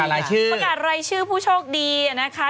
ประกาศรายชื่อผู้โชคดีนะคะ